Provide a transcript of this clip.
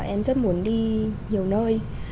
em rất muốn đi nhiều nơi